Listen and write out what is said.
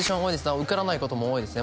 受からないことも多いですね